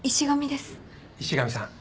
石上さん